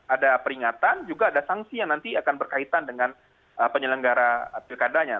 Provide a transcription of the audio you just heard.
ada peringatan juga ada sanksi yang nanti akan berkaitan dengan penyelenggara pilkadanya